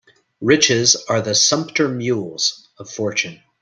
Riches are the sumpter mules of fortune